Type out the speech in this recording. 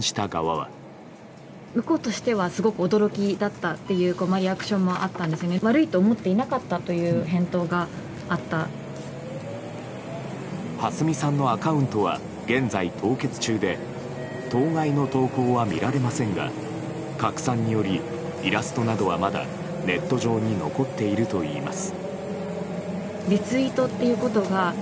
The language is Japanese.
はすみさんのアカウントは現在凍結中で当該の投稿は見られませんが拡散により、イラストなどはまだネット上に残っているといいます。